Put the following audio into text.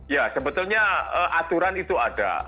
ya sebetulnya aturan itu ada